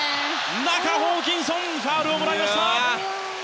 中、ホーキンソン！ファウルをもらいました。